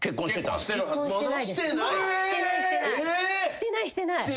してないしてない。